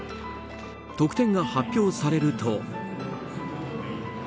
得点が発表されると。